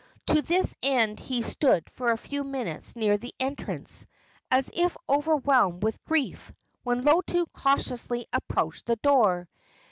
To this end he stood for a few minutes near the entrance, as if overwhelmed with grief, when Lotu cautiously approached the door.